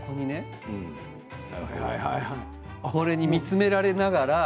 これに見つめられながら。